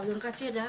oh abang kacir dah